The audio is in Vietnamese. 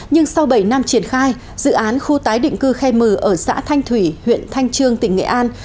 nhưng sau bảy năm triển khai dự án khu tái định cư khe m ở xã thanh thủy huyện thanh trương tỉnh nghệ an